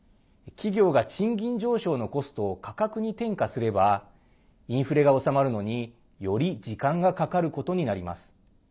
企業が賃金上昇のコストを価格に転嫁すればインフレが収まるのにより時間がかかることになります。